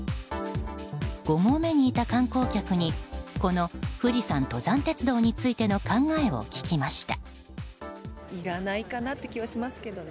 ５合目にいた観光客にこの富士山登山鉄道についての考えを聞きました。